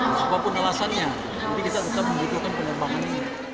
apapun alasannya tapi kita tetap membutuhkan penerbangan ini